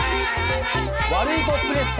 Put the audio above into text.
ワルイコプレス様。